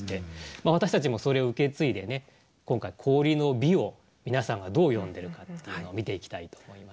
まあ私たちもそれを受け継いでね今回氷の美を皆さんがどう詠んでるかっていうのを見ていきたいと思います。